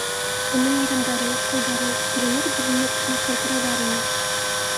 Уның ирендәре, ҡулдары беленер-беленмәҫ кенә ҡалтырайҙар ине.